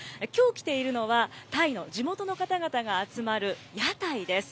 きょう来ているのは、タイの地元の方々が集まる屋台です。